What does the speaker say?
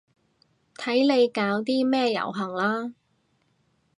睇你搞啲咩遊行啦